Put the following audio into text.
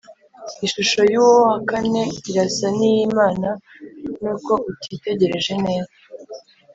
ishusho y uwa kane irasa n iy imana nuko utitegereje neza